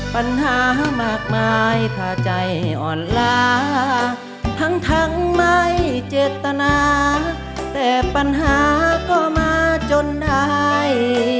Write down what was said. ปัญหามากมายถ้าใจอ่อนลาทั้งทั้งไม่เจตนาแต่ปัญหาก็มาจนได้